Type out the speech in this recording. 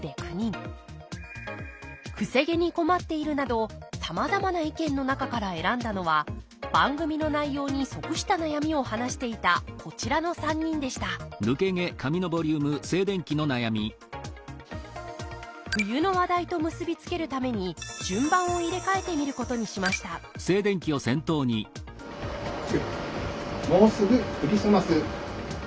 「癖毛に困っている」などさまざまな意見の中から選んだのは番組の内容に即した悩みを話していたこちらの３人でした冬の話題と結び付けるために順番を入れ替えてみることにしました「もうすぐクリスマス」。